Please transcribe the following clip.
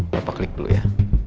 bapak klik dulu ya